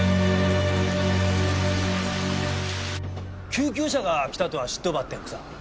救急車が来たとは知っとばってんくさ。